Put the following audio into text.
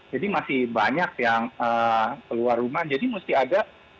jadi masih banyak yang keluar rumah jadi mesti agak